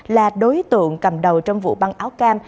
là đối tượng cầm đầu trong vụ băng áo cam